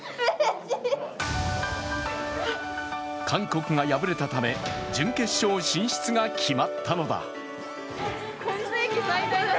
韓国が敗れたため準決勝進出が決まったのだ。